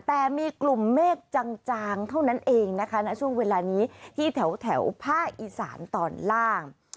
แต่มีกลุ่มเมฆจางเท่านั้นเองนะคะณช่วงเวลานี้ที่แถวภาคอีสานตอนล่าง